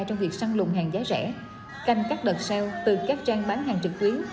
trong việc săn lùng hàng giá rẻ canh các đợt sao từ các trang bán hàng trực tuyến